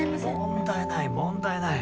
問題ない問題ない。